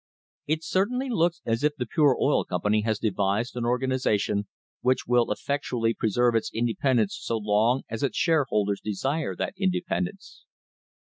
It certainly looks as if the Pure Oil Com pany has devised an organisation which will effectually preserve its independence so long as its shareholders desire that independence.